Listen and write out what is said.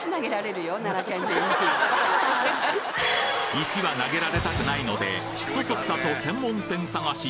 石は投げられたくないのでそそくさと専門店探し！